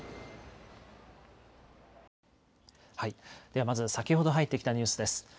では、まず先ほど入ってきたニュースです。